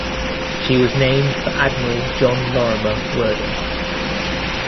She was named for Admiral John Lorimer Worden.